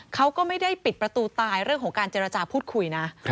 เขาก็ไม่ได้ปิดประตูตายเรื่องของการเจรจาพูดคุยนะ